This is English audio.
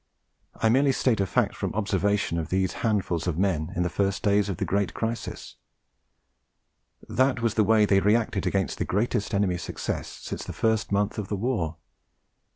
I merely state a fact from observation of these handfuls of men in the first days of the great crisis. That was the way they reacted against the greatest enemy success since the first month of the war.